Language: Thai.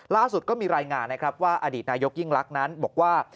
ล่าสุดก็มีรายงานนะครับว่าอดีตนายกยิ่งลักษณ์นั้นบอกว่า